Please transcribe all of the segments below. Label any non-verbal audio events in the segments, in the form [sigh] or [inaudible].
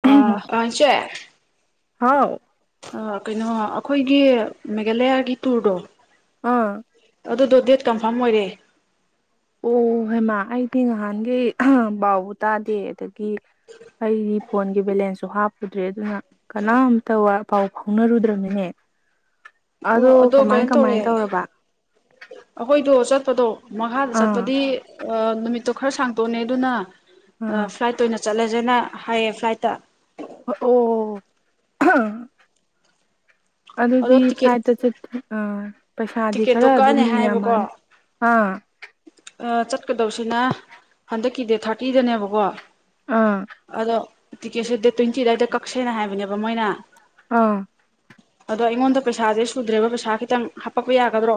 ꯑ ꯑꯆꯦ ꯍꯥꯎ ꯀꯩꯅꯣ ꯑꯩꯈꯣꯏꯒꯤ ꯃꯦꯘꯂꯌꯥꯒꯤ ꯇꯨꯔꯗꯣ ꯑꯥ ꯑꯗꯨꯗꯣ ꯗꯦꯠ ꯀꯟꯐꯥꯔꯝ ꯑꯣꯏꯔꯦ ꯑꯣ ꯍꯦꯃꯥ ꯑꯩꯗꯤ ꯅꯍꯥꯟꯒꯤ ꯕꯥꯕ ꯇꯥꯗꯦ ꯑꯗꯨ ꯑꯩꯒꯤ ꯐꯣꯟꯒꯤ ꯕꯦꯂꯦꯟꯁꯁꯨ ꯍꯥꯞꯄ ꯎꯗ꯭ꯔꯦ ꯑꯗꯨꯅ ꯀꯅꯥꯝꯇ ꯄꯥꯎ ꯐꯥꯎꯅꯔꯨꯗ꯭ꯔꯕꯅꯤꯅꯦ ꯑꯣ ꯑꯗꯣ ꯀꯃꯥꯏ ꯀꯩꯅꯣ ꯀꯃꯥꯏ ꯇꯧꯔꯕ ꯑ ꯆꯠꯄꯗꯣ ꯃꯈꯥꯗ ꯑꯥ ꯆꯠꯄꯗꯤ ꯅꯨꯃꯤꯠꯇꯣ ꯈꯔ ꯁꯥꯡꯇꯣꯛꯅꯦ ꯑꯗꯨꯅ ꯑꯥ ꯑ ꯐ꯭ꯂꯥꯏꯠ ꯑꯣꯏꯅ ꯆꯠꯂꯦ ꯐꯖꯅ ꯍꯥꯏꯌꯦ ꯐ꯭ꯂꯥꯏꯠꯇ ꯑꯣ ꯑꯗꯣ ꯑꯗꯨꯗꯤ ꯇꯤꯀꯦꯠ ꯐ꯭ꯂꯥꯏꯠꯇ ꯆꯠꯦ ꯑꯥ ꯄꯩꯁꯥꯗꯤ ꯇꯤꯀꯦꯠꯇꯣ ꯈꯔ ꯑꯗꯨꯝ ꯀꯛꯑꯅꯤ ꯍꯥꯏꯌꯦꯕꯀꯣ ꯌꯥꯝꯃꯅꯤ ꯑꯥ ꯆꯠꯀꯗꯧꯁꯤꯅ ꯍꯟꯗꯛꯀꯤ ꯗꯦꯠ ꯊꯥꯔꯇꯤꯗꯅꯦꯕꯀꯣ ꯑꯥ ꯑꯗꯣ ꯇꯤꯀꯦꯠꯁꯦ ꯗꯦꯠ ꯇ꯭ꯋꯦꯟꯇꯤ ꯑꯗꯨꯗꯥꯏꯗ ꯀꯛꯁꯦꯅ ꯍꯥꯏꯕꯅꯦꯕ ꯃꯣꯏꯅ ꯑꯥ ꯑꯗꯣ ꯑꯩꯉꯣꯟꯗ ꯄꯩꯁꯥꯁꯦ ꯁꯨꯗ꯭ꯔꯦꯕ ꯄꯩꯁꯥ ꯈꯤꯇꯪ ꯄꯛꯄ ꯌꯥꯒꯗ꯭ꯔꯣ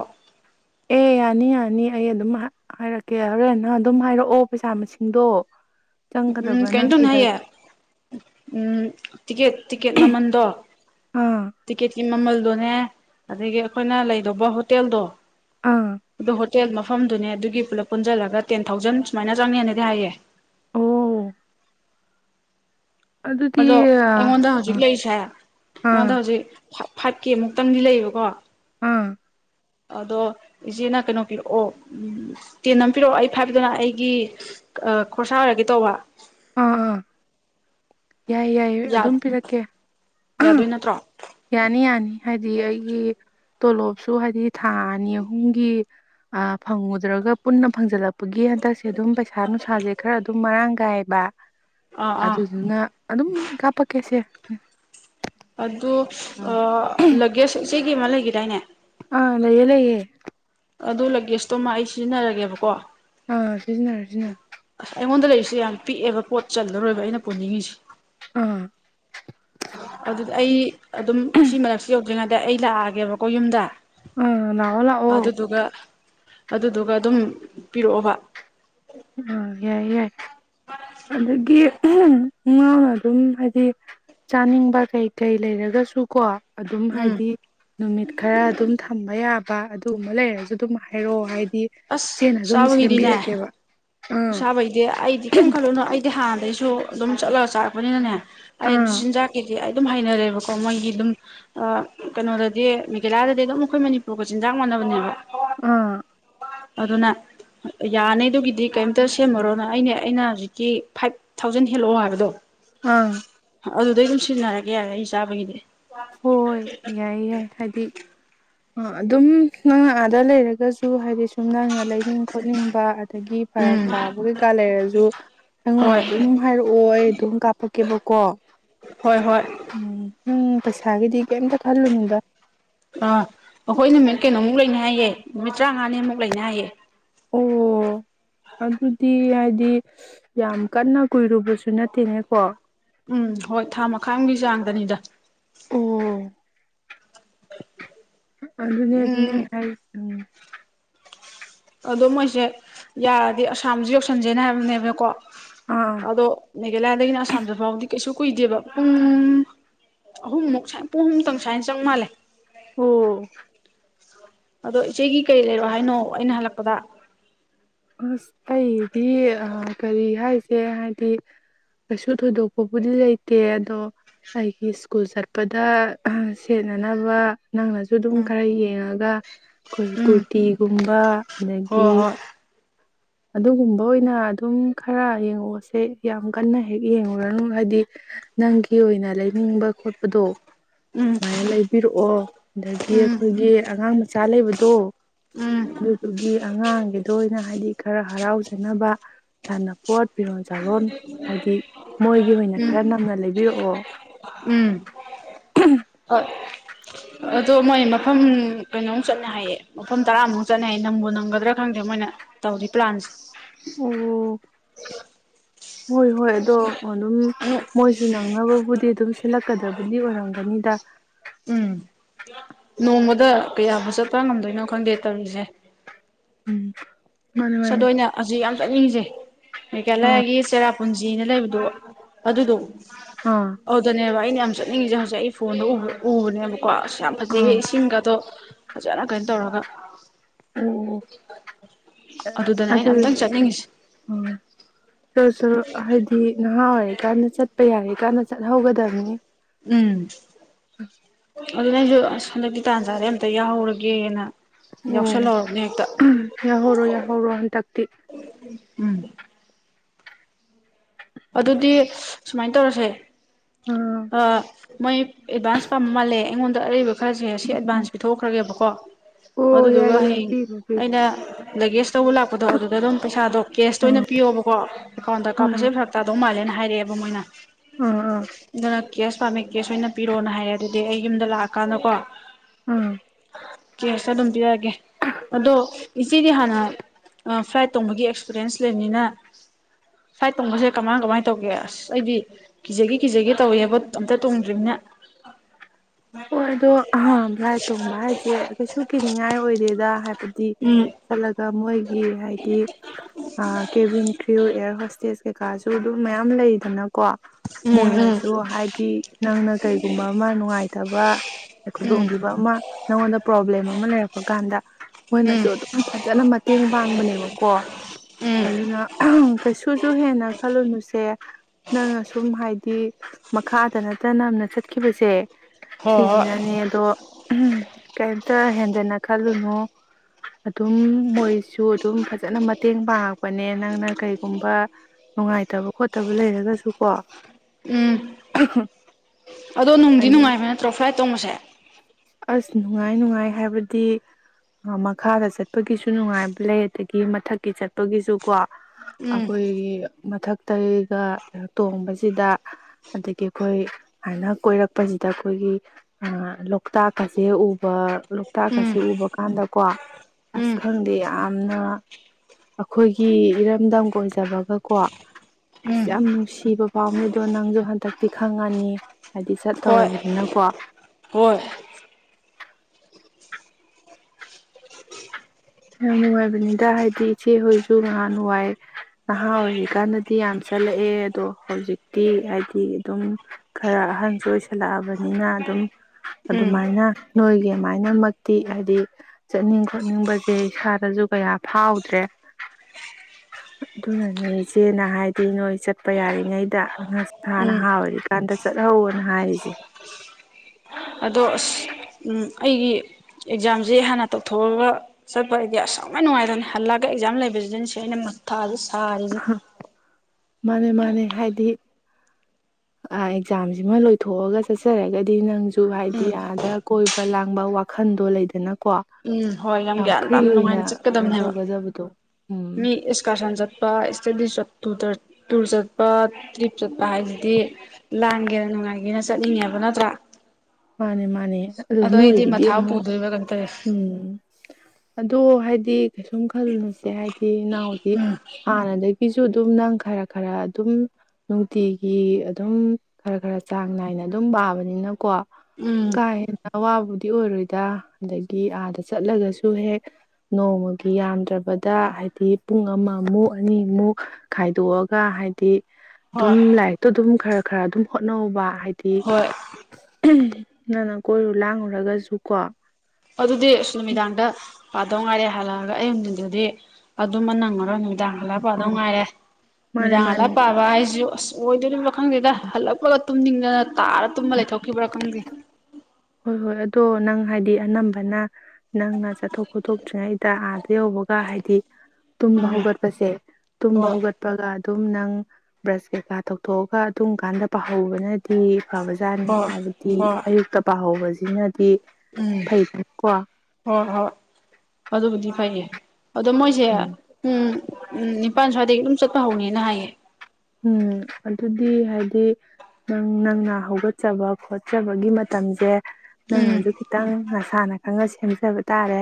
ꯑꯦ ꯌꯥꯅꯤ ꯌꯥꯅꯤ ꯑꯩ ꯑꯗꯨꯝ ꯍꯥꯏꯔꯛꯀꯦ ꯍꯣꯔꯦꯟꯅ ꯑꯗꯨꯝ ꯍꯥꯏꯔꯛꯑꯣ ꯄꯩꯁꯥ ꯃꯁꯤꯡꯗꯣ ꯎꯝ ꯆꯪꯒꯗꯕ ꯀꯩꯅꯣ ꯅꯪꯒꯤ ꯇꯧꯅ ꯍꯥꯏꯌꯦ ꯗꯔꯀꯥꯔ ꯎꯝ ꯇꯤꯀꯦꯠ ꯇꯤꯛꯀꯦꯠ ꯃꯃꯜꯗꯣ ꯑꯥ ꯇꯤꯛꯀꯦꯠꯀꯤ ꯃꯃꯜ ꯑꯗꯨꯅꯦ ꯑꯗꯒꯤ ꯑꯩꯈꯣꯏꯅ ꯂꯩꯗꯧꯕ ꯍꯣꯇꯦꯜꯗꯣ ꯑꯥ ꯑꯗꯣ ꯍ ꯍꯣ ꯇꯦꯜ ꯃꯐꯝꯗꯨꯅꯦ ꯑꯗꯨꯒꯤ ꯄꯨꯂꯞ ꯄꯨꯟꯖꯜꯂꯒ ꯇꯦꯟ ꯊꯥꯎꯖꯟ ꯁꯨꯃꯥꯏꯅ ꯆꯪꯅꯤꯅꯗꯤ ꯍꯥꯏꯌꯦꯦ ꯑꯣ ꯑꯗꯨꯗꯤ ꯑꯂꯣ ꯑꯥ ꯑꯩꯉꯣꯟꯗ ꯍꯧꯖꯤꯛ ꯂꯩꯁꯦ ꯑꯩꯉꯣꯟꯗ ꯑꯥ ꯍꯧꯖꯤꯛ ꯐꯥꯏꯚ ꯀꯦꯃꯨꯛꯇꯪꯗꯤ ꯂꯩꯌꯦꯕꯀꯣ ꯑꯥ ꯑꯗꯣ ꯏꯆꯦꯅ ꯀꯩꯅꯣ ꯄꯤꯔꯛꯑꯣ ꯇꯦꯟ ꯑꯃ ꯄꯤꯔꯛꯑꯣ ꯑꯩ ꯐꯥꯏꯚꯇꯅ ꯑꯩꯒꯤ ꯈꯣꯔꯁꯥ ꯑꯣꯏꯔꯒꯦ ꯇꯧꯕ ꯑꯥ ꯑꯥ ꯌꯥꯏ ꯌꯥꯏ ꯑꯗꯨꯝ ꯄꯤꯔꯛꯀꯦ ꯌꯥꯗꯣꯏ ꯅꯠꯇ꯭ꯔꯣ ꯌꯥꯅꯤ ꯌꯥꯅꯤ ꯍꯥꯏꯗꯤ ꯑꯩꯒꯤ ꯇꯣꯂꯣꯞꯁꯨ ꯍꯥꯏꯗꯤ ꯊꯥ ꯑꯅꯤ ꯑꯍꯨꯝꯒꯤ ꯐꯪꯉꯨꯗ꯭ꯔꯒ ꯄꯨꯟꯅ ꯐꯪꯖꯜꯂꯛꯄꯒꯤ ꯍꯟꯗꯛꯁꯦ ꯑꯗꯨꯝ ꯄꯩꯁꯥ ꯅꯨꯡꯁꯥꯁꯦ ꯈꯔ ꯑꯗꯨꯝ ꯃꯔꯥꯡ ꯀꯥꯏ [unintelligible] ꯑꯥ ꯑꯥ ꯑꯗꯨꯗꯨꯅ ꯑꯗꯨꯝ ꯀꯥꯞꯄꯛꯀꯦꯁꯦ ꯎ ꯑꯗꯨ ꯇ ꯂꯒꯦꯁ ꯁꯤꯒꯤ ꯑꯃ ꯂꯩꯈꯤꯗꯗꯥꯏꯅꯦ ꯑ ꯂꯩꯌꯦ ꯂꯩꯌꯦꯦ ꯑꯗꯨ ꯂꯒꯦꯖꯇꯨꯃ ꯑꯩ ꯁꯤꯖꯤꯟꯅꯔꯒꯦꯕꯀꯣ ꯑ ꯖꯤꯅ ꯔꯖꯤꯅ ꯑꯁ ꯑꯩꯉꯣꯟꯗ ꯂꯩꯔꯤꯁꯦ ꯌꯥꯝ ꯄꯤꯛꯑꯦꯕ ꯄꯣꯠ ꯆꯜꯂꯔꯣꯏꯕ ꯑꯩꯅ ꯄꯨꯅꯤꯡꯉꯁꯤꯦ ꯑꯥ ꯑꯗꯨꯗꯤ ꯑꯩ ꯑꯗꯨꯝ ꯁꯤ ꯃꯅꯥꯛꯁꯤ ꯌꯧ ꯍꯧ꯭ꯔꯤꯉꯩꯗ ꯑꯩ ꯂꯥꯛꯑꯒꯦꯕꯀꯣ ꯌꯨꯝꯗ ꯑꯥ ꯅꯎꯂ ꯑꯣ ꯑꯗꯨꯗꯨꯒ ꯑꯗꯨꯗꯨꯒ ꯑꯗꯨꯝ ꯄꯤꯔꯛꯑꯣꯕ ꯑ ꯌꯥꯏ ꯌꯥꯏ ꯑꯗꯒꯤ ꯉ ꯉꯥꯎꯅ ꯑꯗꯨꯝ ꯍꯥꯏꯗꯤ ꯆꯥꯅꯤꯡꯕ ꯀꯩꯀꯩ ꯂꯩꯔꯒꯁꯨꯀꯣ ꯑꯗꯨꯝ ꯎꯝ ꯍꯥꯏꯗꯤ ꯅꯨꯃꯤꯠ ꯈꯔ ꯑꯗꯨꯝ ꯊꯝꯕ ꯌꯥꯕ ꯑꯗꯨꯒꯨꯝꯕ ꯂꯩꯔꯁꯨ ꯑꯗꯨꯝ ꯍꯥꯏꯔꯛꯑꯣ ꯍꯥꯏꯗꯤ ꯁꯦꯅ ꯑꯗꯨꯝ ꯁꯦꯝꯕꯤꯔꯛꯀꯦꯕ ꯑꯥ ꯁꯕꯩꯗꯦ ꯑꯩꯗꯤꯦ ꯀꯝ ꯈꯜꯂꯣꯅ ꯗꯤ ꯍꯥꯟꯅꯗꯒꯤꯩꯁꯨ ꯑꯗꯨꯝ ꯆꯠꯂꯒ ꯆꯥꯛꯔꯛꯄꯅꯤꯅꯅꯦ ꯑꯥ ꯑꯩꯖꯀꯤꯦꯗꯤ ꯑꯗꯨꯝ ꯍꯩꯅꯔꯦꯕꯀꯣ ꯃꯣꯏꯒꯤ ꯑꯗꯨꯝ ꯀꯩꯅꯣꯗꯗꯤ ꯃꯦꯘꯂꯥꯗꯗꯤ ꯑꯗꯨꯝ ꯑꯩꯈꯣꯏ ꯃꯅꯤꯄꯨꯔꯒ ꯆꯤꯟꯖꯥꯛ ꯃꯥꯟꯅꯕꯅꯦꯕ ꯎꯥ ꯑꯗꯨꯅ ꯌꯥꯅꯤꯗꯨꯒꯤꯗꯤ ꯀꯩꯝꯇ ꯁꯦꯝꯃꯔꯣꯅ ꯑꯅꯦ ꯑꯩꯅ ꯍꯧꯖꯤꯛꯀꯤ ꯐꯥꯏꯚ ꯊꯥꯎꯖꯟ ꯍꯦꯜꯂꯛꯑꯣ ꯍꯥꯏꯕꯗꯣ ꯑꯥ ꯑꯗꯨꯗꯩ ꯑꯗꯨꯝ ꯁꯤꯖꯤꯟꯅꯔꯒꯦ ꯌꯥꯔꯦ ꯑꯩ ꯆꯥꯕꯒꯤꯗꯤ ꯍꯣꯏ ꯌꯥꯏ ꯌꯥꯏ ꯍꯥꯏꯗꯤ ꯑ ꯑꯗꯨꯝ ꯅꯪꯅ ꯑꯥꯗ ꯂꯩꯔꯒꯁꯨ ꯍꯥꯏꯗꯤ ꯁꯨꯝ ꯅꯪꯅ ꯂꯩꯅꯤꯡ ꯈꯣꯠꯅꯤꯡꯕ ꯑꯗꯒꯤ ꯐꯔꯛ ꯎꯝ ꯇꯥꯕ ꯀꯩꯀꯥ ꯂꯩꯔꯁꯨ ꯑꯩꯉꯣꯟꯗ ꯍꯣꯏ ꯑꯗꯨꯝ ꯍꯥꯏꯔꯛꯑꯣ ꯑꯩ ꯑꯗꯨꯝ ꯀꯥꯞꯄꯛꯀꯦꯕꯀꯣ ꯍꯣꯏ ꯍꯣꯏ ꯎꯝ ꯅꯪ ꯄꯩꯁꯥꯒꯤꯗꯤ ꯀꯩꯝꯇ ꯑꯜꯂꯨꯃꯤꯗ ꯑꯥ ꯑꯩꯈꯣꯏ ꯅꯨꯃꯤꯠ ꯀꯩꯅꯣꯃꯨꯛ ꯂꯩꯅ ꯍꯥꯏꯌꯦ ꯅꯨꯃꯤꯠ ꯇꯔꯥꯃꯉꯥꯅꯤꯃꯨꯛ ꯂꯩꯅ ꯍꯥꯏꯌꯦꯦ ꯑꯣ ꯑꯗꯨꯗꯤ ꯍꯥꯏꯗꯤ ꯌꯥꯝ ꯀꯟꯅ ꯀꯨꯏꯔꯨꯕꯁꯨ ꯅꯠꯇꯦꯅꯦꯀꯣ ꯎꯝ ꯍꯣꯏ ꯊꯥ ꯃꯈꯥꯒꯤ ꯆꯥꯡꯗꯅꯤꯗ ꯎꯝ ꯑꯗꯨꯅꯤ ꯑꯗꯨꯅꯤ ꯎꯝ ꯍꯥꯏ ꯎꯝ ꯑꯣ ꯃꯣꯏꯁꯦ ꯌꯥꯔꯗꯤ ꯑꯁꯥꯝꯁꯨ ꯌꯧꯁꯟꯁꯦꯅ ꯍꯥꯏꯕꯅꯦꯕꯀꯣ ꯑꯥ ꯑꯗꯣ ꯃꯦꯘꯂꯌꯥꯗꯒꯤꯅ ꯑꯁꯥꯝꯗ ꯐꯥꯎꯕꯗꯤ ꯀꯩꯁꯨ ꯀꯨꯏꯗꯦꯕ ꯄꯨꯡ ꯑꯍꯨꯝꯃꯨꯛ ꯁꯨꯥꯏ ꯄꯨꯡ ꯑꯨꯝꯨꯛꯇꯪ ꯁꯨꯃꯥꯏꯅ ꯆꯪ ꯃꯥꯜꯂꯦ ꯑꯣ ꯑꯗꯣ ꯏꯆꯦꯒꯤ ꯀꯔꯤ ꯂꯩꯔꯣ ꯍꯥꯏꯅꯣ ꯑꯩꯅ ꯍꯜꯂꯛꯄꯗ ꯑꯁ ꯑꯩꯗꯤ ꯀꯔꯤ ꯍꯥꯏꯁꯦ ꯍꯥꯏꯗꯤ ꯀꯩꯁꯨ ꯊꯣꯏꯗꯣꯛꯄꯕꯨꯗꯤ ꯂꯩꯇꯦ ꯑꯗꯣ ꯑꯩꯒꯤ ꯁ꯭ꯀꯨꯜ ꯆꯠꯄꯗ ꯁꯦꯠꯅꯅꯕ ꯅꯪꯅꯁꯨ ꯑꯗꯨꯝ ꯎꯝ ꯈꯔ ꯌꯦꯡꯉꯒ [inaudible] ꯑꯩꯈꯣꯏ ꯎꯝ ꯀꯨꯔꯇꯤꯒꯨꯝꯕ ꯍꯣꯏ ꯑꯗꯒꯤ ꯍꯣꯏ ꯑꯗꯨꯒꯨꯝꯕ ꯑꯣꯏꯅ ꯑꯗꯨꯝ ꯈꯔ ꯌꯦꯡꯉꯛꯑꯣꯁꯦ ꯌꯥꯝ ꯀꯟꯅ ꯍꯦꯛ ꯌꯦꯡꯉꯨꯔꯅꯨ ꯍꯥꯏꯗꯤ ꯅꯪꯒꯤ ꯑꯣꯏꯅ ꯂꯩꯅꯤꯡꯕ ꯈꯣꯠꯄꯗꯣ ꯎꯝ ꯁꯨꯃꯥꯏꯅ ꯂꯩꯕꯤꯔꯛꯑꯣ ꯑꯗꯒꯤ ꯎꯝ ꯑꯩꯈꯣꯏꯒꯤ ꯑꯉꯥꯡ ꯃꯆꯥ ꯂꯩꯕꯗ ꯎꯝ ꯁꯨ ꯖꯔꯒ ꯑꯉꯥꯡꯒꯤꯗ ꯑꯣꯏꯅ ꯍꯥꯏꯗꯤ ꯈꯔ ꯍꯔꯥꯎꯖꯅꯕ ꯁꯥꯟꯅꯄꯣꯠ ꯐꯤꯔꯣꯟ ꯆꯥꯔꯣꯟ ꯍꯥꯏꯗꯤ ꯃꯣꯏꯒꯤ ꯑꯣꯏꯅ ꯎꯝ ꯈꯔ ꯅꯝꯅ ꯂꯩꯕꯤꯔꯛꯑꯣ ꯎꯝ ꯍꯣꯏ ꯑꯗꯣ ꯃꯣꯏ ꯃꯐꯝ ꯀꯩꯅꯣꯃꯨꯛ ꯆꯠꯅ ꯍꯥꯏꯌꯦ ꯃꯐꯝ ꯇꯔꯥꯃꯨꯛ ꯆꯠꯅ ꯍꯥꯏꯌꯦ ꯅꯪꯕꯨ ꯅꯪꯒꯗ꯭ꯔꯥ ꯈꯪꯗꯦ ꯃꯣꯏꯅ ꯇꯧꯔꯤ ꯄ꯭ꯂꯥꯟꯁꯦ ꯑꯣ ꯍꯣꯏ ꯍꯣꯏ ꯑꯗꯣ ꯑꯗꯨꯝ ꯃꯣꯏꯁꯨ ꯅꯪꯅꯕꯕꯨꯗꯤ ꯑꯗꯨꯝ ꯁꯠꯂꯛꯀꯗꯕꯨꯗꯤ ꯑꯣꯏꯔꯝꯒꯅꯤꯗ ꯎꯝ ꯅꯣꯡꯃꯗ ꯀꯌꯥꯃꯨꯛ ꯆꯠꯄ ꯉꯝꯗꯣꯏꯅꯣ ꯈꯪꯗꯦ ꯇꯧꯔꯤꯁꯦ ꯎꯝ ꯃꯥꯅꯦ ꯃꯥꯅꯦ ꯆꯗꯣꯏꯅ ꯑꯁꯤꯖꯤꯛ ꯌꯥꯝ ꯆꯠꯅꯤꯁꯦ ꯑꯩꯀꯂ ꯑꯥ ꯍꯥꯏꯒ ꯆꯦꯔꯥ ꯄꯨꯟꯖ ꯖꯤꯅ ꯂꯩꯕꯗꯣ ꯑꯗꯨꯗꯣ ꯑꯥ ꯑꯣꯗꯅꯦꯕ ꯑꯩꯅ ꯌꯥꯝ ꯆꯠꯅꯤꯡꯉꯤꯁꯦ ꯍꯧꯖꯤꯛ ꯑꯩ ꯐꯣꯟꯗ ꯎꯕ꯭ꯔ ꯎꯅꯦ ꯀꯣ ꯑꯁ ꯌꯥꯝ ꯐꯖꯩꯌꯦ ꯑꯥ ꯏꯁꯤꯡꯒꯗꯣ ꯐꯖꯅ ꯀꯩꯅ ꯇꯧꯔꯒ [inaudible] ꯑ ꯑꯗꯨꯗꯅꯦ ꯑꯩꯅ ꯑꯗꯨ ꯑꯝꯇꯪ ꯆꯠꯅꯤꯡꯉꯤꯁꯦ ꯑꯣ ꯍꯥꯏꯗꯤ ꯅꯍꯥ ꯑꯣꯏꯔꯤꯀꯥꯟꯗ ꯆꯠꯄ ꯌꯥꯔꯦ ꯀꯥꯟꯗ ꯆꯠꯍꯧꯒꯗꯕꯅꯤ ꯎꯝ ꯎꯝ ꯑꯗꯨꯅ ꯑꯩꯁꯨ ꯑꯁ ꯍꯟꯗꯛꯇꯀꯤ ꯇꯥꯟ ꯆꯥꯗꯦ ꯑꯝꯇ ꯌꯥꯎꯍꯧꯔꯒꯦꯅ ꯑꯣ ꯌꯥꯎꯁꯜꯍꯧꯔꯕꯅꯦ ꯍꯦꯛꯇ ꯌꯥꯍꯧꯔꯣ ꯌꯥꯍꯧꯔꯣ ꯍꯟꯗꯛꯇꯤ ꯎꯝ ꯑꯗꯨꯗꯤ ꯁꯨꯃꯥꯏꯅ ꯇꯧꯔꯁꯦ ꯑꯥ ꯑ ꯃꯣꯏ ꯑꯦꯗꯚꯥꯟꯁ ꯄꯝ ꯃꯥꯜꯦꯉꯣꯟ ꯑꯕ ꯈꯔꯁꯦ ꯑꯁꯤ ꯑꯦꯗꯚꯥꯟꯁ ꯄꯤꯊꯣꯛꯈ꯭ꯔꯒꯦꯕꯀꯣ ꯑꯣ ꯑꯗꯨꯗꯨꯒ ꯌꯥꯏ ꯌꯥꯏ ꯍꯌꯦꯡ ꯄꯤꯒ꯭ꯔꯣ ꯄꯤꯒ꯭ꯔꯣ ꯑꯩꯅ ꯂꯒꯦꯖ ꯑꯆꯧꯕ ꯂꯥꯛꯄꯗꯣ ꯑꯗꯨꯗ ꯑꯗꯨꯝ ꯄꯩꯁꯥꯗꯣ ꯀꯦꯁꯇ ꯑꯣꯏꯅ ꯑꯥ ꯄꯤꯌꯣꯕꯀꯣ ꯑꯦꯀꯥꯎꯟꯗ ꯀꯥꯞ ꯍꯣꯏ ꯐꯁꯦ ꯍꯣꯏ ꯐꯔ ꯃꯥꯜꯂꯦꯅ ꯍꯥꯏꯔꯛꯑꯦꯕ ꯃꯣꯏꯅ ꯑꯥ ꯑꯥ ꯔ ꯀꯦꯁ ꯄꯥꯝꯃꯦ ꯀꯦꯁ ꯑꯣꯏꯅ ꯄꯤꯔꯣꯅ ꯍꯥꯏꯔꯦ ꯑꯗꯨꯗꯤ ꯑꯩ ꯌꯨꯝꯗ ꯂꯥꯛꯑꯀꯥꯟꯗ ꯀꯣ ꯎꯝ ꯀꯦꯁ ꯑꯗꯨꯝ ꯄꯤꯔꯛꯑꯒꯦ ꯑꯗꯣ ꯏꯆꯦꯗꯤ ꯍꯥꯟꯅ ꯐ꯭ꯂꯥꯏꯠ ꯇꯣꯡꯕꯒꯤ ꯑꯦꯛꯁꯄꯤꯔꯤꯌꯦꯟꯁ ꯂꯩꯕꯅꯤꯅ ꯐ꯭ꯂꯥꯏꯠ ꯇꯣꯡꯕꯁꯦ ꯀꯃꯥꯏ ꯀꯃꯥꯏꯅ ꯇꯧꯒꯦ ꯑꯁ ꯑꯩꯗꯤ ꯀꯤꯖꯒꯦ ꯀꯤꯖꯒꯦ ꯇꯧꯏ ꯍꯥꯏꯕ ꯑꯝꯇ ꯇꯣꯡꯗ꯭ꯔꯤꯝꯅꯦ ꯍꯣꯏ ꯑꯗꯣ ꯑꯍꯥꯟꯕꯥꯏ ꯇꯣꯡꯕ ꯍꯥꯏꯁꯦ ꯀꯩꯁꯨ ꯀꯤꯅꯤꯡꯉꯥꯏ ꯑꯣꯏꯗꯦꯗ ꯍꯥꯏꯕ ꯗꯤ ꯎꯝ ꯐꯂꯒ ꯃꯣꯏꯒꯤ ꯍꯥꯏꯗꯤ ꯀꯦꯚꯟ ꯀ꯭ꯨ ꯑꯦꯌꯥꯔ ꯍꯣꯁꯇꯦꯁ ꯀꯩꯀꯥꯁꯨ ꯑꯗꯨꯝ ꯃꯌꯥꯝ ꯂꯩꯗꯅ ꯀꯣ ꯎꯝ ꯃꯣꯏꯅꯁꯨ ꯍꯥꯏꯗꯤ ꯅꯪꯅ ꯀꯔꯤꯒꯨꯝꯕ ꯑꯃ ꯅꯨꯡꯉꯥꯏꯇ ꯑꯗꯨꯒ ꯎꯝ ꯈꯨꯗꯣꯡꯊꯤꯕ ꯑꯃ ꯅꯪꯉꯣꯟꯗ ꯄ꯭ꯔꯣꯕ꯭ꯂꯦꯝ ꯑꯃ ꯂꯩꯔꯛꯄ ꯀꯥꯟꯗ ꯎꯝ ꯎꯝ ꯃꯣꯏꯅꯁꯨ ꯑꯗꯨꯝ ꯐꯖꯅ ꯃꯇꯦꯡ ꯄꯥꯡꯕꯅꯦꯕꯀꯣ ꯎꯝ ꯑꯗꯨꯅ ꯀꯩꯁꯨꯁꯨ ꯍꯦꯟꯅ ꯈꯜꯂꯨꯅꯨ ꯁꯦ ꯅꯪꯅ ꯁꯨꯝ ꯍꯥꯏꯗꯤ ꯃꯈꯥꯗ ꯅꯠꯇ ꯅꯝꯅ ꯆꯠꯈꯤꯕꯁꯦ ꯍꯣꯏ ꯍꯣꯏ ꯁꯤꯁꯤꯅꯅꯦ ꯑꯗꯣ ꯀꯩꯝꯇ ꯍꯦꯟꯗꯅ ꯈꯜꯂꯨꯅꯨ ꯑꯗꯨꯝ ꯃꯣꯏꯁꯨ ꯑꯗꯨꯝ ꯐꯖꯅ ꯃꯇꯦꯡ ꯄꯥꯡꯉꯛꯄꯅꯦ ꯅꯪꯅ ꯀꯩꯒꯨꯝꯕ ꯅꯨꯡꯉꯥꯏꯇꯕ ꯈꯣꯠꯇꯕ ꯂꯩꯔꯒꯁꯨꯀꯣ ꯎꯝ ꯑꯗꯣꯅ ꯑꯗꯩ ꯅꯨꯡꯉꯥꯏꯕ ꯅꯠꯇ꯭ꯔꯣ ꯐ꯭ꯂꯥꯏꯠ ꯇꯣꯡꯕꯁꯦ ꯑꯁ ꯅꯨꯡꯉꯥꯏ ꯅꯨꯡꯉꯥꯏ ꯍꯥꯏꯕꯗꯤ ꯃꯈꯥꯗ ꯆꯠꯄꯒꯤꯁꯨ ꯅꯨꯡꯉꯥꯏꯕ ꯂꯩ ꯑꯗꯒꯤ ꯃꯊꯛꯀꯤ ꯆꯠꯄꯒꯤꯁꯨꯀꯣ ꯎꯝ ꯑꯩꯈꯣꯏꯒꯤ ꯃꯊꯛꯇꯒ ꯇꯣꯡꯕꯁꯤꯗ ꯑꯗꯒꯤ ꯑꯩꯈꯣꯏ ꯍꯥꯏꯅ ꯀꯣꯏꯔꯛꯄꯁꯤꯗ ꯑꯩꯈꯣꯏꯒꯤ ꯂꯣꯛꯇꯥꯛꯀꯁꯦ ꯎꯕ ꯎꯝ ꯂꯣꯛꯇꯥꯛꯀꯁꯦ ꯎꯕ ꯀꯥꯟꯗꯀꯣ ꯑꯁ ꯎꯝ ꯈꯪꯗꯦ ꯌꯥꯝꯅ ꯑꯩꯈꯣꯏꯒꯤ ꯏꯔꯝꯗꯝ ꯀ ꯑꯣꯏꯖꯕꯒꯀꯣ ꯑꯁ ꯎꯝ ꯌꯥꯝ ꯅꯨꯡꯁꯤꯕ ꯄꯥꯎꯕꯗꯣ ꯅꯪꯁꯨ ꯍꯟꯗꯛꯇꯤ ꯈꯪꯉꯅꯤ ꯍꯥꯏꯗꯤ ꯍꯣꯏ ꯆꯠꯠꯇꯧꯔꯕꯅꯤꯅꯀꯣ ꯍꯣꯏ ꯌꯥꯝ ꯅꯨꯡꯉꯥꯏꯕꯅꯤꯗ ꯍꯥꯏꯗꯤ ꯏꯆꯦ ꯍꯣꯏꯁꯨ ꯅꯍꯥꯟ ꯋꯥꯏ ꯅꯍꯥ ꯑꯣꯏꯔꯤꯀꯥꯟꯗꯗꯤ ꯌꯥꯝ ꯆꯠꯂꯛꯑꯦ ꯑꯗꯣ ꯍꯧꯖꯤꯛꯇꯤ ꯍꯥꯏꯗꯤ ꯑꯗꯨꯝ ꯈꯔ ꯑꯍꯟꯁꯨ ꯑꯣꯏꯁꯜꯂꯛꯑꯕꯅꯤꯅ ꯑꯗꯨꯝ ꯎꯝ ꯑꯗꯨꯃꯥꯏꯅ ꯅꯣꯏꯒꯤ ꯑꯗꯨꯃꯥꯏꯅꯃꯛꯇꯤ ꯍꯥꯏꯗꯤ ꯆꯠꯅꯤꯡ ꯈꯣꯠꯅꯤꯡꯕꯁꯦ ꯏꯆꯦ ꯏꯁꯥꯗꯁꯨ ꯀꯌꯥ ꯐꯥꯎꯗ꯭ꯔꯦ ꯑꯗꯨꯅꯅꯦ ꯏꯆꯦꯅ ꯍꯥꯏꯗꯤ ꯅꯣꯏ ꯆꯠꯄ ꯌꯥꯔꯤꯉꯩꯗ ꯑꯉꯥꯡ ꯎꯝ ꯁꯥꯅꯍꯥ ꯑꯣꯏꯔꯤꯀꯥꯟꯗ ꯆꯠꯍꯧꯅ ꯍꯥꯏꯔꯤꯁꯦ ꯑꯗꯣ ꯑꯁ ꯑꯩꯒꯤ ꯑꯦꯛꯖꯥꯝꯁꯦ ꯍꯥꯟꯅ ꯇꯧꯊꯣꯛꯑꯒ ꯆꯠꯄ ꯍꯥꯏꯗꯤ ꯑꯁꯉꯥꯏ ꯅꯨꯡꯉꯥꯏꯇꯅꯤ ꯍꯜꯂꯛꯑꯒ ꯑꯦꯛꯖꯥꯝ ꯂꯩꯕꯁꯤꯗꯅꯤ ꯁꯤ ꯑꯩꯅ ꯊꯥꯗ ꯑꯥꯔ ꯃꯥꯅꯦ ꯃꯥꯅꯦ ꯍꯥꯏꯗꯤ ꯑꯦꯛꯖꯥꯝꯁꯤꯃ ꯂꯣꯏꯊꯣꯛꯑꯒ ꯆꯠꯆꯔꯒꯗꯤ ꯅꯪꯁꯨ ꯍꯥꯏꯗꯤ ꯎꯝ ꯑꯥꯗ ꯀꯣꯏꯕ ꯂꯥꯡꯕ ꯋꯥꯈꯜꯗꯣ ꯂꯩꯗꯅꯀꯣ ꯎꯝ ꯍꯣꯏ ꯌꯥꯝ ꯒ꯭ꯌꯥꯟ ꯐ꯭ꯔꯤ ꯇꯥꯅ ꯑꯣꯏꯅ ꯅꯨꯡꯉꯥꯏꯅ ꯀꯩꯅꯣ ꯆꯠꯀꯗꯕꯅꯦꯕ ꯇꯧꯒꯗꯕꯗꯣ ꯎꯝ ꯃꯤ ꯑꯦꯛꯁꯀꯥꯔꯁꯟ ꯆꯠꯄ ꯏꯁꯇꯗꯤ ꯆꯠꯇꯨꯗ ꯇꯨꯔ ꯆꯠꯄ ꯇ꯭ꯔꯤꯞ ꯆꯠꯄ ꯍꯥꯏꯁꯤꯗꯤ ꯂꯥꯟꯒꯦꯅ ꯅꯨꯡꯉꯥꯏꯒꯦꯅ ꯆꯠꯅꯤꯡꯉꯦꯕ ꯅꯠꯇ꯭ꯔꯥ ꯃꯥꯅꯦ ꯃꯥꯅꯦ ꯑꯗꯨ ꯑꯗꯣ ꯑꯩꯗꯤ ꯅꯣꯏꯒꯤꯗꯤ ꯃꯊꯥ ꯑꯃꯨꯛ ꯄꯨꯗꯣꯏꯕ ꯀꯩꯅꯣ ꯇꯧꯋꯦ ꯎꯝ ꯑꯣ ꯍꯥꯏꯗꯤ ꯑ ꯁꯨꯝ ꯈꯜꯂꯂꯨꯁꯦ ꯍꯥꯏꯗꯤ ꯏꯅꯥꯍꯎꯗꯤ ꯍꯥꯟꯅꯗꯒꯤ ꯐꯁꯨ ꯑꯗꯨꯝ ꯅꯪ ꯈꯔ ꯈꯔ ꯑꯗꯨꯝ ꯅꯨꯡꯇꯤꯒꯤ ꯑꯗꯨꯝ ꯈꯔ ꯈꯔ ꯆꯥꯡ ꯅꯥꯏꯅ ꯑꯗꯨꯝ ꯄꯥꯕꯅꯤꯅꯀꯣ ꯎꯝ ꯀꯥꯏ ꯑꯋꯥꯕꯨꯗꯤ ꯑꯣꯏꯔꯣꯏꯗ ꯑꯗꯒꯤ ꯑꯥꯗ ꯆꯠꯂꯒꯁꯨ ꯍꯦꯛ ꯅꯣꯡꯃꯒꯤ ꯌꯥꯝꯗ꯭ꯔꯕꯗ ꯍꯥꯏꯗꯤ ꯄꯨꯡ ꯑꯃꯃꯨꯛ ꯑꯅꯤꯃꯨꯛ ꯈꯥꯏꯗꯣꯛꯑꯒ ꯍꯥꯏꯗꯤ ꯑꯗꯨꯝ ꯍꯣꯏ ꯂꯥꯏꯔꯤꯛꯇꯣ ꯑꯗꯨꯝ ꯈꯔ ꯈꯔ ꯑꯗꯨꯝ ꯍꯣꯠꯅꯧꯕ ꯍꯥꯏꯗꯤ ꯍꯣꯏ ꯅꯪꯅ ꯀꯣꯏꯔꯨ ꯂꯥꯡꯉꯨꯔꯒꯁꯨ ꯀꯣ ꯑꯗꯨꯗꯨꯗꯤꯁ ꯅꯨꯃꯤꯗꯥꯗ ꯗꯉꯥꯏꯔꯦ ꯍꯥꯏꯜꯂꯛꯑꯒ ꯑꯩ ꯍꯖꯤꯤꯟꯗꯨꯗꯤ ꯑꯗꯨꯃ ꯅꯪꯉꯒ ꯅꯨꯃꯤꯗꯥꯡ ꯍꯜꯂꯥꯞ ꯄꯥꯗꯧ ꯎꯝ ꯉꯥꯏꯔꯦ ꯃꯥꯅꯦ ꯅꯨꯃꯤꯗꯥꯡ ꯍꯜꯂꯥ ꯃꯥꯅꯦ ꯄꯥꯕ ꯍꯥꯏꯁꯨ ꯑꯁ ꯃꯣꯏꯗꯨꯅ ꯈꯪꯗ ꯍꯜꯂꯛꯄꯂ ꯇꯨꯝꯅꯤꯡꯗꯅ ꯇꯥꯔ ꯇꯨꯝꯕ ꯂꯩꯊꯣꯛꯈꯤꯕ꯭ꯔꯥ ꯈꯪꯗꯦ ꯍꯣꯏ ꯍꯣꯏ ꯑꯗꯣ ꯅꯪ ꯍꯥꯏꯗꯤ ꯑꯅꯝꯕꯅ ꯅꯪꯅ ꯆꯠꯊꯣꯛ ꯈꯣꯠꯇꯣꯛꯇ꯭ꯔꯤꯉꯩꯗꯥ ꯌꯧꯕꯒ ꯍꯥꯏꯗꯤ ꯇꯨꯝꯕ ꯎꯝ ꯍꯧꯒꯠꯄꯁꯦ ꯇꯨꯝꯕ ꯍꯣꯏ ꯍꯧꯒꯠꯄꯒ ꯑꯗꯨꯝ ꯅꯪ ꯕ꯭ꯔꯁ ꯀꯩꯀꯥ ꯇꯧꯊꯣꯛꯑꯒ ꯑꯗꯨꯝ ꯀꯥꯟꯗ ꯄꯥꯍꯧꯕꯅꯦ ꯗꯤ ꯐꯕꯖꯥꯠꯅꯤ ꯍꯣꯏ ꯍꯥꯏꯕꯗꯤ ꯍꯣꯏ ꯑꯌꯨꯛꯇ ꯍꯁꯤꯅꯗꯤ ꯎꯝ ꯍꯣꯏ ꯍꯣꯏ ꯑꯗꯨꯕꯨꯗꯤ ꯍꯥꯏ ꯑꯗꯣ ꯃꯣꯏꯁꯦ ꯎꯝ ꯎꯝ ꯄꯥꯟꯁ꯭ꯋꯥꯗꯒꯤ ꯑꯗꯨꯝ ꯆꯠꯄ ꯍꯧꯥꯎꯅꯤꯅ ꯍꯥꯏꯌꯦ ꯎꯝ ꯑꯗꯨꯗꯤ ꯍꯥꯏꯗꯤ ꯅꯪ ꯅꯪꯅ ꯍꯧꯒꯠꯆꯕ ꯈꯣꯠꯆꯕꯒꯤ ꯃꯇꯝꯁꯦ ꯎꯝ ꯅꯪꯅꯁꯨ ꯈꯤꯇꯪ ꯅꯁꯥꯅ ꯑ ꯁꯦꯝꯖꯕ ꯇꯥꯔꯦ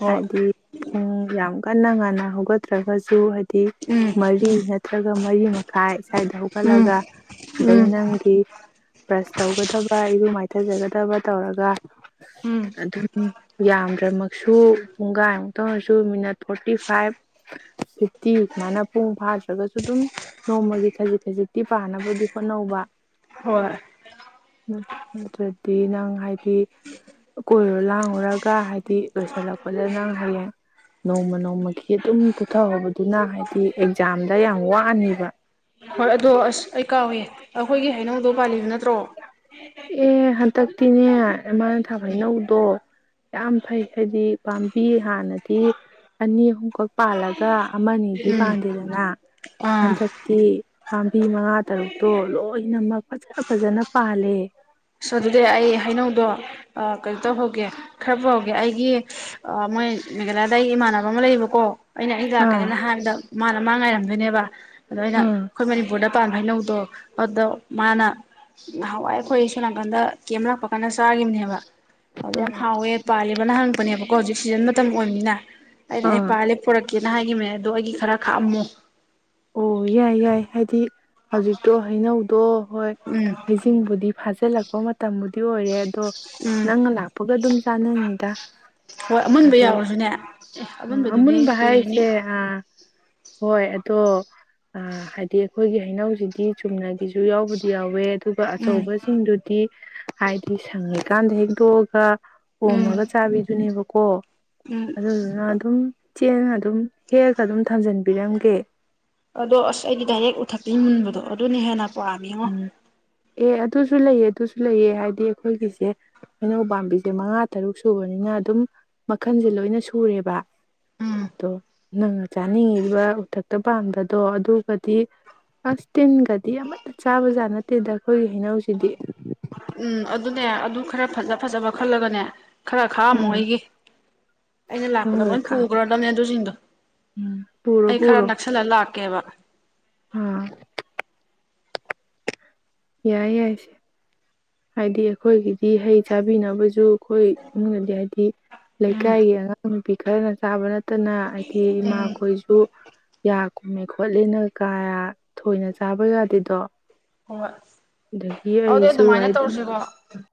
ꯍꯣꯏ ꯍꯥꯏꯗꯤ ꯄꯨꯡ ꯌꯥꯝ ꯀꯟꯅ ꯉꯟꯅ ꯍꯧꯒꯠꯇ꯭ꯔꯒꯁꯨ ꯍꯥꯏ ꯎꯝ ꯃꯔꯤ ꯅꯠꯇ꯭ꯔꯒ ꯃꯔꯤ ꯃꯈꯥꯏ ꯏꯁꯥꯗ ꯎꯝ ꯍꯧꯒꯠꯂꯒ ꯑꯗꯩ ꯎꯝ ꯅꯪꯒꯤ ꯕ꯭ꯔꯁ ꯇꯧꯒꯗꯕ ꯑꯩꯨꯝ ꯊꯖꯒꯗꯕ ꯇꯧꯔꯒ ꯎꯝ ꯑꯗꯨꯝ ꯌꯥꯝꯗ꯭ꯔꯃꯛꯁꯨ ꯄꯨꯡꯈꯥꯏꯃꯨꯛꯇ ꯑꯣꯏꯔꯁꯨ ꯃꯤꯅꯠ ꯐꯣꯔꯇꯤ ꯐꯥꯏꯚ ꯐꯤꯐꯇꯤ ꯁꯨꯃꯥꯏꯅ ꯄꯨꯡ ꯐꯥꯗ꯭ꯔꯒꯁꯨ ꯑꯗꯨꯝ ꯅꯣꯡꯃꯒꯤ ꯈꯖꯤꯛ ꯈꯖꯤꯛꯇꯤ ꯄꯥꯅꯕꯗꯤ ꯍꯣꯠꯅꯧꯕ ꯍꯣꯏ ꯅꯠꯇ꯭ꯔꯗꯤ ꯅꯪ ꯍꯥꯏꯗꯤ ꯀꯣꯏꯔꯣ ꯂꯥꯡꯉꯨꯔꯒ ꯍꯥꯏꯗꯤ ꯂꯣꯏꯁꯤꯜꯂꯛꯄꯗ ꯅꯪ ꯍꯌꯦꯡ ꯅꯣꯡꯃ ꯅꯣꯡꯃꯒꯤ ꯑꯗꯨꯝ ꯄꯨꯊꯍꯧꯕꯗꯨꯅ ꯍꯥꯏꯕꯗꯤ ꯑꯦꯛꯖꯥꯝꯗ ꯌꯥꯝ ꯋꯥꯅꯤꯕ ꯍꯣꯏ ꯑꯗꯣ ꯑꯁ ꯑꯩ ꯀꯥ ꯑꯣꯏꯌꯦ ꯑꯩꯈꯣꯏꯒꯤ ꯍꯩꯅꯧꯗꯧ ꯄꯥꯜꯂꯤꯕ ꯅꯠꯇ꯭ꯔꯣ ꯑꯦ ꯍꯟꯗꯛꯇꯤꯅꯦ ꯃꯥꯃꯥꯅ ꯊꯥ ꯍꯩꯅꯧꯗꯣ ꯌꯥꯝ ꯐꯩ ꯍꯥꯏꯗꯤ ꯄꯥꯝꯕꯤ ꯍꯥꯟꯅꯗꯤ ꯑꯅꯤ ꯑꯍꯨꯝꯈꯛ ꯄꯥꯜꯂꯒ ꯑꯃꯅꯤꯅꯤꯗꯤ ꯎꯝ ꯄꯥꯟꯗꯦꯗꯅ ꯑꯥ ꯍꯟꯗꯛꯇꯤ ꯄꯥꯝꯕꯤ ꯃꯉꯥ ꯇꯔꯨꯛꯇꯣ ꯂꯣꯏꯅꯃꯛ ꯐꯖ ꯐꯖꯅ ꯄꯥꯜꯂꯦ ꯑꯁꯣ ꯑꯗꯨꯗꯤ ꯑꯩ ꯍꯩꯅꯧꯗꯣ ꯀꯩꯅꯣ ꯇꯧꯍꯧꯒꯦ ꯈꯔ ꯄꯨꯍꯧꯒꯦ ꯑꯩꯒꯤ ꯃꯣꯏ ꯃꯦꯘꯂꯌꯥꯗ ꯑꯩꯒꯤ ꯏꯃꯥꯟꯅꯕ ꯑꯃ ꯂꯩꯌꯦꯕꯀꯣ ꯑꯩꯅ ꯑꯥ ꯑꯩꯗꯥꯛꯀꯩꯅꯅ ꯍꯥꯏꯕꯗ ꯃꯥꯅ ꯃꯥꯡ ꯉꯥꯏꯔꯝꯗꯣꯏꯅꯦꯕ ꯑꯗꯨꯃꯥꯏꯅ ꯑꯥ ꯑꯩꯈꯣꯏ ꯃꯅꯤꯄꯨꯔꯗ ꯃꯄꯥꯟ ꯐꯩꯅꯧꯗꯣ ꯑꯗꯨꯗ ꯃꯥꯅ ꯅꯍꯥꯟꯋꯥꯏ ꯑꯩꯈꯣꯏ ꯀꯣꯅꯥꯀꯥꯟꯗ ꯀꯦꯝ ꯑꯃ ꯂꯥꯛꯄ ꯀꯥꯟꯗ ꯆꯥꯈꯤꯕꯅꯦꯕ ꯍꯧꯗ ꯌꯥꯝ ꯑꯥ ꯍꯥꯎ ꯌꯦ ꯄ ꯅ ꯍꯪꯛꯄꯅꯦꯕꯀꯣ ꯍꯧꯖꯤꯛ ꯁꯤꯖꯟ ꯃꯇꯝ ꯑꯣꯏꯕꯅꯤꯅ ꯑ ꯑꯥ ꯄꯥꯂꯦ ꯄꯨꯔ ꯀꯦꯅ ꯍꯥꯏꯒꯤꯅꯦ ꯑꯗꯣ ꯑꯩꯒꯤ ꯈꯔ ꯈꯥꯛꯑꯝꯃꯣ ꯑꯣ ꯌꯥꯏ ꯌꯥꯏ ꯍꯥꯏꯗꯤ ꯍꯧꯖꯤꯛꯇꯣ ꯍꯩꯅꯧꯗꯣ ꯍꯣꯏ ꯎꯝ ꯍꯩꯁꯤꯡꯕꯨꯗꯤ ꯐꯖꯦ ꯂꯥꯛꯀꯣ ꯃ ꯇꯥꯃꯗꯤ ꯤ ꯑꯣꯏꯔꯦ ꯑꯗꯣ ꯎꯝ ꯅꯪ ꯂꯥꯛꯄꯒ ꯑꯗꯨꯝ ꯆꯥꯟꯅꯅꯤꯗ ꯍꯣꯏ ꯑꯃꯨꯟꯕ ꯌꯥꯎꯔꯁꯨꯅꯦ ꯑꯦ ꯑ ꯑꯃꯨꯟꯕꯗꯨꯗꯤ ꯑꯃꯨꯟꯕ ꯀꯨꯏꯔꯅꯤ ꯍꯥꯏꯁꯦ ꯑꯥ ꯍꯣꯏ ꯑꯣ ꯍꯥꯏꯗꯤ ꯑꯩꯈꯣꯏꯒꯤ ꯍꯩꯅꯧꯁꯤꯗꯤ ꯆꯨꯝꯅꯒꯤꯁꯨ ꯌꯥꯎꯕꯗꯤ ꯌꯥꯎꯋꯦ ꯑꯗꯨꯒ ꯎꯝ ꯑꯆꯧꯕꯁꯤꯡꯗꯨꯗꯤ ꯍꯥꯏꯗꯤ ꯁꯪꯉꯤꯀꯥꯟꯗ ꯍꯦꯛꯛꯇꯣꯛꯑꯒ ꯍꯣꯝꯃꯒ ꯎꯝ ꯆꯥꯕꯤꯗꯨꯅꯦꯕ ꯀꯣ ꯎꯝ ꯑꯗꯨꯗꯨꯅ ꯑꯗꯨꯝ ꯆꯦ ꯑꯗꯨꯝ ꯍꯦꯛꯒ ꯑꯗꯨꯝ ꯊꯝꯖꯟꯕꯤꯔꯝꯒꯦ ꯑꯗꯣ ꯑꯁ ꯑꯩꯗꯤ ꯗꯥꯏꯔꯦꯛ ꯎꯊꯛꯇꯒꯤ ꯃꯨꯟꯕꯗꯣ ꯑꯗꯨꯅ ꯍꯦꯟꯅ ꯄꯥꯝꯃꯤ ꯉꯣ ꯎꯝ ꯑꯦ ꯑꯗꯨꯨ ꯁꯨ ꯂꯥꯏ ꯑꯗꯨꯁꯨ ꯂꯩꯌꯦ ꯍꯥꯏꯗꯤ ꯑꯩꯈꯣꯏꯒꯤꯁꯦ ꯍꯩꯅꯧ ꯄꯥꯝꯕꯤꯁꯦ ꯃꯉꯥ ꯇꯔꯨꯛ ꯁꯨꯕꯅꯤꯅ ꯑꯗꯨꯝ ꯃꯈꯟꯁꯦ ꯂꯣꯏꯅ ꯁꯨꯔꯦꯕ ꯑꯗꯣ ꯅꯪꯅ ꯆꯥꯅꯤꯡꯉꯤꯕ ꯎꯊꯛꯇ ꯄꯥꯟꯕꯗꯣ ꯑꯗꯨꯒꯗꯤ ꯑꯁ ꯇꯤꯟꯒꯗꯤ ꯑꯃ ꯆꯥꯕꯖꯥꯠ ꯅꯠꯇꯦꯗ ꯑꯩꯈꯣꯏꯒꯤ ꯍꯩꯅꯧꯁꯤꯗꯤ ꯎꯝ ꯑꯗꯨꯅꯦ ꯑꯗꯨ ꯈꯔ ꯐꯖ ꯐꯖꯕ ꯈꯜꯂꯒꯅꯦ ꯈꯔ ꯈꯥꯝꯃꯣ ꯎꯝ ꯑꯩꯒꯤ ꯑꯩꯅ ꯍꯣꯏ ꯂꯥꯛꯀꯗ ꯍꯣꯏ ꯀꯥ ꯄꯨꯡꯛꯔꯣꯗꯝ ꯅ ꯑꯗꯨ ꯁꯤꯁꯤꯡꯗꯣ ꯎꯝ ꯄꯨꯔꯣ ꯑꯩ ꯈꯔ ꯄꯨꯔꯣ ꯅꯛꯁꯜꯂ ꯂꯥꯛꯀꯦ ꯑꯣ ꯀꯦꯕ ꯑꯥ ꯌꯥꯏ ꯌꯥꯏꯁꯦ ꯍꯥꯏꯗꯤ ꯑꯩꯈꯣꯏꯒꯤꯗꯤ ꯍꯩ ꯆꯥꯕꯤꯅꯕꯁꯨ ꯑꯩꯈꯣꯏꯅꯗꯤ ꯍꯥꯏꯗꯤ ꯎꯝ ꯂꯩꯀꯥꯏꯒꯤ ꯑꯉꯥꯡ ꯅꯨꯄꯤ ꯈꯔꯅ ꯆꯥꯕ ꯅꯠꯇꯅ ꯎꯝ ꯏꯃꯥꯈꯣꯏꯁꯨ ꯀꯨꯝꯃꯦ ꯈꯣꯠꯂꯦꯅ ꯀꯌꯥ ꯊꯣꯏꯅ ꯆꯥꯕ ꯌꯥꯗꯦꯗꯣ ꯍꯣꯏ ꯗꯒꯁꯨ ꯍꯥꯏ ꯖꯒ